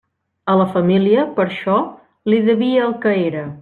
A la família, per això, li devia el que era.